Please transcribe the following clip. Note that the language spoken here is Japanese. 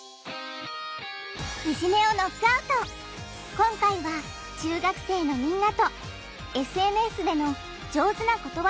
今回は中学生のみんなとＳＮＳでの「上手な断り方」を考えるよ！